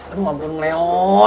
aduh ampun leo